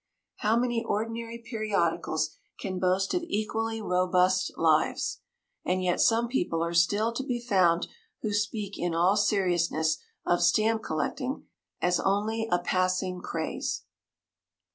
How many ordinary periodicals can boast of equally robust lives? And yet some people are still to be found who speak in all seriousness of stamp collecting as only a passing craze.